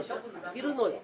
いるのよ。